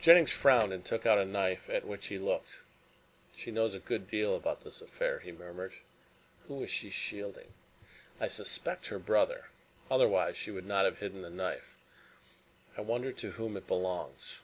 Jennings frowned and took out the knife at which he looked. "She knows a good deal about this affair," he murmured. "Who is she shielding? I suspect her brother. Otherwise she would not have hidden the knife. I wonder to whom it belongs.